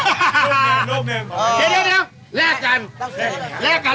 เดี๋ยวแลกกัน